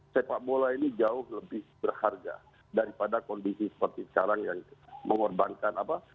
sepak bola ini jauh lebih berharga daripada kondisi seperti sekarang yang mengorbankan apa